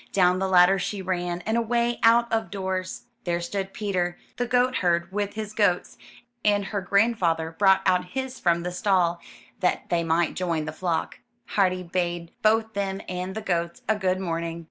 Down the ladder she ran, and away out of doors. There stood Peter, the goatherd, with his goats; and her grandfather brought out his from the stall, that they might join the flock. Heidi bade both him and the goats a good morning.